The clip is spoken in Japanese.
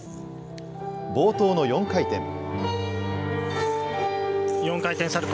冒頭の４回転。